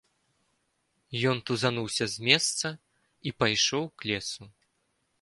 Ён тузануўся з месца і пайшоў к лесу.